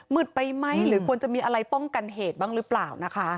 ไปไหมหรือควรจะมีอะไรป้องกันเหตุบ้างหรือเปล่านะคะ